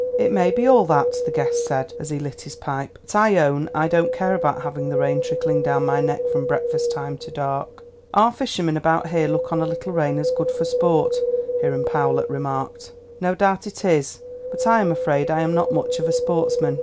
"It may be all that," the guest said, as he lit his pipe; "but I own I don't care about having the rain trickling down my neck from breakfast time to dark." "Our fishermen about here look on a little rain as good for sport," Hiram Powlett remarked. "No doubt it is; but I am afraid I am not much of a sportsman.